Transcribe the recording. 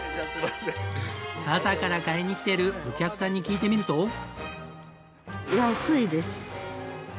朝から買いに来ているお客さんに聞いてみると。